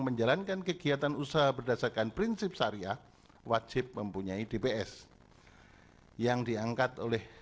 menjalankan kegiatan usaha berdasarkan prinsip syariah wajib mempunyai dps yang diangkat oleh